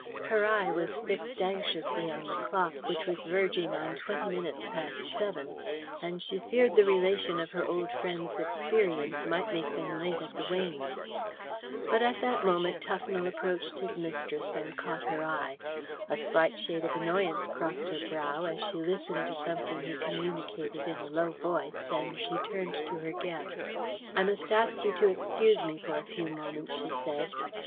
Her eye was fixed anxiously on the clock, which was verging on twenty minutes past seven, and she feared the relation of her old friend's experience might make them late at the Weynes. But at that moment Tufnell approached his mistress and caught her eye. A slight shade of annoyance crossed her brow as she listened to something he communicated in a low voice, and she turned to her guests. "I must ask you to excuse me for a few moments," she said.